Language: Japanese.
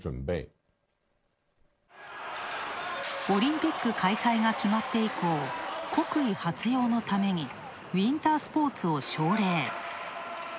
オリンピック開催が決まって以降、国威発揚のためにウインタースポーツを奨励。